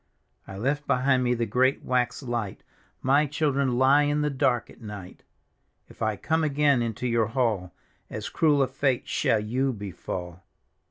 " I left behind me the great wax light; My children lie in the dark at night " If I come again into your hall, As cruel a fate ^all you befall